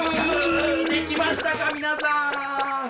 できましたか皆さん。